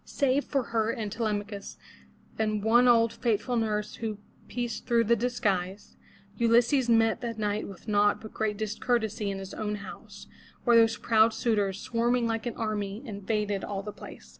Save for her and for Telemachus and one old faithful nurse who pierced through his disguise, Ulysses met that night with naught but great discourtesy in his own house, where those proud suitors, swarming like an army, invaded all the place.